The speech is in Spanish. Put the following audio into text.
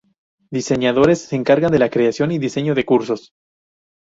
Diseñadores: se encargan de la creación y el diseño de cursos.